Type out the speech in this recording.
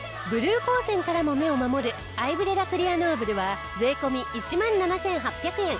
ブルー光線からも目を守るアイブレラクリアノーブルは税込１万７８００円。